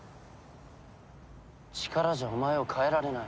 力じゃお前を変えられない。